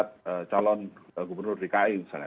ada calon gubernur rki misalnya